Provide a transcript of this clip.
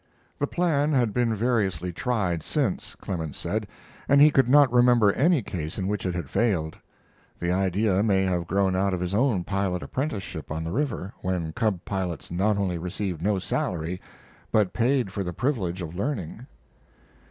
The plan had been variously tried since, Clemens said, and he could not remember any case in which it had failed. The idea may have grown out of his own pilot apprenticeship on the river, when cub pilots not only received no salary, but paid for the privilege of learning.